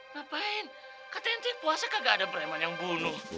ngapain katanya puasa kagak ada preman yang bunuh